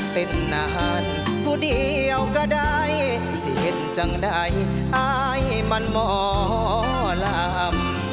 เป็นนานผู้เดียวก็ได้เสียงจังใดอายมันหมอลำ